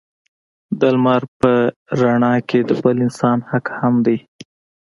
د لمر په رڼا کې د بل انسان حق هم دی.